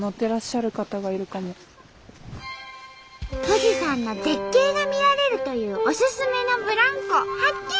富士山の絶景が見られるというオススメのブランコ発見！